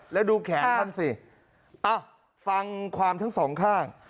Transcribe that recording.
แล้วดูแขนท่านสิฟังความทั้งสองข้าง